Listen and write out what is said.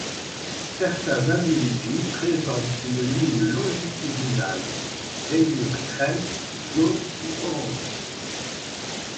Certains individus présentent une ligne longitudinale rayure crème, jaune ou orangée.